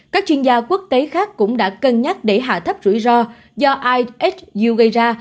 các chuyên gia quốc tế khác cũng đã cân nhắc để hạ thấp rủi ro do ihu gây ra